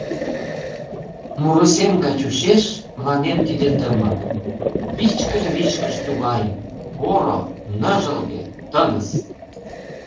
Муро сем гай чучеш Мыланем тиде тымык: Вичкыж-вичкыж тугай, Поро, ныжылге, тыныс!